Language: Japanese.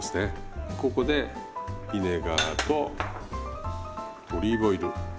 ここでビネガーとオリーブオイル。